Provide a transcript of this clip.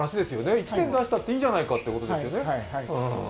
一年出したっていいじゃないかってことですよね。